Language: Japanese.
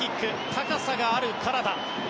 高さがあるカナダです。